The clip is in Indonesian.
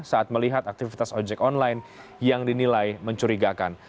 saat melihat aktivitas ojek online yang dinilai mencurigakan